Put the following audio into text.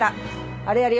あれやるよ。